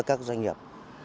các doanh nghiệp